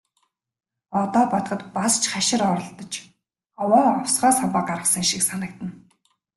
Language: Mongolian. Одоо бодоход бас ч хашир оролдож, овоо овсгоо самбаа гаргасан шиг санагдана.